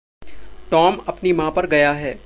Tom अपनी माँ पर गया है।